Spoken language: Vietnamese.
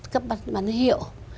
cấp bán hiệu